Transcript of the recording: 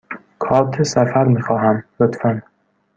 کارت سفر می خواهم، لطفاً.